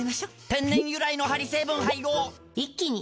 天然由来のハリ成分配合一気に！